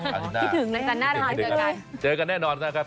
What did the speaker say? คิดถึงเลยคิดถึงเลยเจอกันคิดถึงเลยเจอกันแน่นอนนะครับ